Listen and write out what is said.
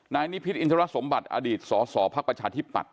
นายนิพิศอินทรรศสมบัติอดีตสศภประชาธิปัตย์